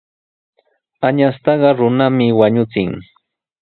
Añastaqa runami wañuchin.